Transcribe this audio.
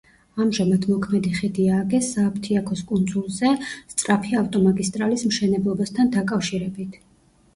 ამჟამად მოქმედი ხიდი ააგეს სააფთიაქოს კუნძულზე სწრაფი ავტომაგისტრალის მშენებლობასთან დაკავშირებით.